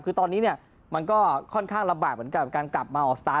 คือตอนนี้เนี่ยมันก็ค่อนข้างลำบากเหมือนกับการกลับมาออกสตาร์